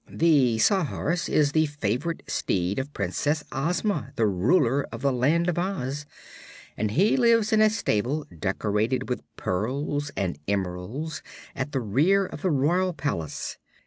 "The Sawhorse is the favorite steed of Princess Ozma, the Ruler of the Land of Oz, and he lives in a stable decorated with pearls and emeralds, at the rear of the royal palace.